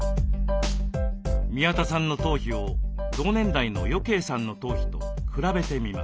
宮田さんの頭皮を同年代の余慶さんの頭皮と比べてみます。